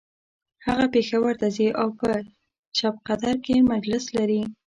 هغه پیښور ته ځي او په شبقدر کی مجلس لري